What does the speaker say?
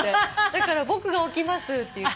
「だから僕が起きます」って言って。